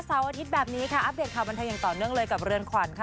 อาทิตย์แบบนี้ค่ะอัปเดตข่าวบันเทิงอย่างต่อเนื่องเลยกับเรือนขวัญค่ะ